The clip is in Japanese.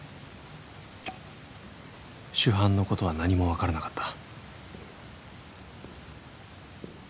「主犯のことは何もわからなかった」